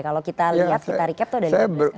kalau kita lihat kita recap tuh udah sepuluh kali